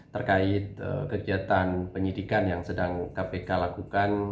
terkait kegiatan penyidikan yang sedang kpk lakukan